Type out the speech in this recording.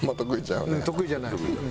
うん得意じゃない。